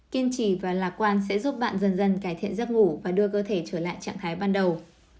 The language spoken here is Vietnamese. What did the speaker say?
kiên trì và lạc quan sẽ giúp bạn dần dần cải thiện giấc ngủ và đưa cơ thể trở lại trạng thái ban đầu